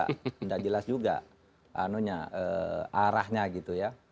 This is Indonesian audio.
tidak jelas juga arahnya gitu ya